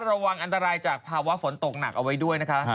ระวังอันตรายจากภาวะฝนตกหนักเอาไว้ด้วยนะคะ